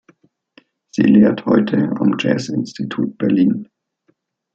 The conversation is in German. Sie lehrt heute am Jazz-Institut Berlin.